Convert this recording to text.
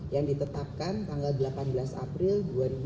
yang ditetapkan tanggal delapan belas april dua ribu dua puluh